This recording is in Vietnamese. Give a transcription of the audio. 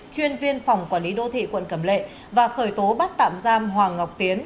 chuyên viên phòng quản lý đô thị quận cẩm lệ và khởi tố bắt tạm giam hoàng ngọc tiến